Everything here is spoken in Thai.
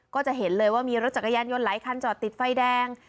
ก็จะเห็นเลยว่ามีรถจักรยานยนต์หลายคันจอดติดไฟแดง